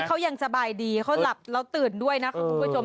เขายังสบายดีเขาหลับแล้วตื่นด้วยนะครับคุณผู้ชม